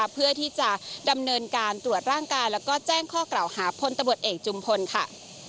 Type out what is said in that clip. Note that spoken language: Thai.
เพื่อที่จะดำเนินการตรวจร่างกายแล้วก็แจ้งข้อกล่าวหาพลตำรวจเอกจุมพลค่ะ